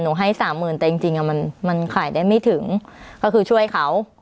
ให้สามหมื่นแต่จริงจริงมันขายได้ไม่ถึงก็คือช่วยเขา